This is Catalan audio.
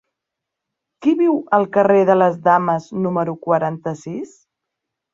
Qui viu al carrer de les Dames número quaranta-sis?